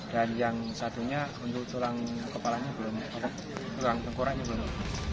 dan yang satunya untuk tulang kepalanya belum tulang tengkoraknya belum